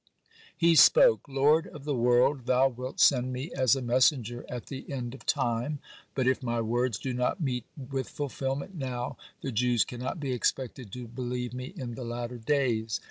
(19) He spoke: "Lord of the world, Thou wilt send me as a messenger 'at the end of time,' but if my words do not meet with fulfilment now, the Jews cannot be expected to believe me in the latter days."